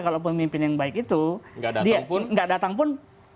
kalau pemimpin yang baik itu dia nggak datang pun